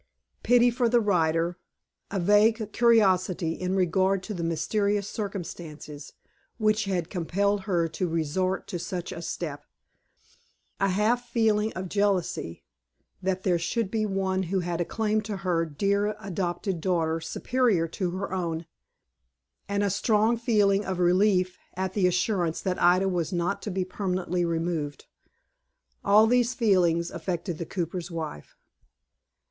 Pity for the writer; a vague curiosity in regard to the mysterious circumstances which had compelled her to resort to such a step; a half feeling of jealousy, that there should be one who had a claim to her dear adopted daughter superior to her own; and a strong feeling of relief at the assurance that Ida was not to be permanently removed, all these feelings affected the cooper's wife.